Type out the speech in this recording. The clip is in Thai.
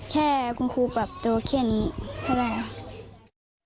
แค่คุณครูปรับตัวแค่นี้ไม่ได้หรอก